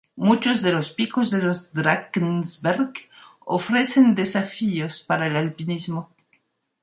Muchos de los picos de los Drakensberg ofrecen desafíos para el alpinismo.